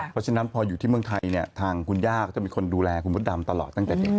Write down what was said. เพราะฉะนั้นพออยู่ที่เมืองไทยเนี่ยทางคุณย่าก็จะมีคนดูแลคุณมดดำตลอดตั้งแต่เด็ก